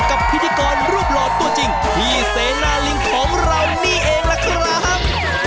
พิธีกรรูปหล่อตัวจริงพี่เสนาลิงของเรานี่เองล่ะครับ